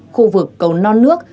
khu vực cầu non nước